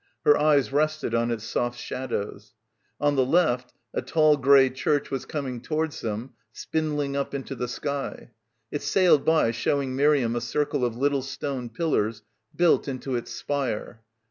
Her eyes rested on its soft shadows. On the left a tall grey church was coming to wards them, spindling up into the sky. It sailed by, showing Miriam a circle of little stone pillars built into its spire.